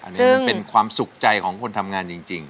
อันนี้มันเป็นความสุขใจของคนทำงานจริง